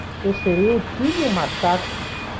Eu serei o tio de um macaco!